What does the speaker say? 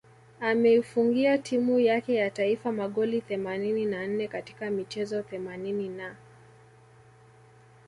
Ameifungia timu yake ya taifa magoli themanini na nne katika michezo themanini na